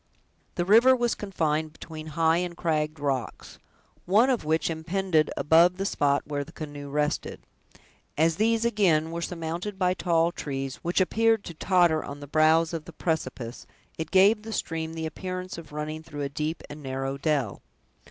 The river was confined between high and cragged rocks, one of which impended above the spot where the canoe rested. As these, again, were surmounted by tall trees, which appeared to totter on the brows of the precipice, it gave the stream the appearance of running through a deep and narrow dell.